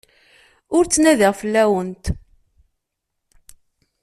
Ur ttnadiɣ fell-awent.